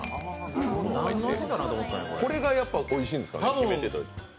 これがやっぱおいしいんですかね。